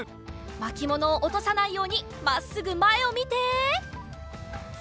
まきものをおとさないようにまっすぐまえをみて。